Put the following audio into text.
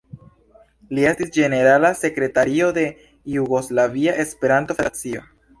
Li estis ĝenerala sekretario de Jugoslavia Esperanto-Federacio.